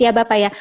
iya bapak ya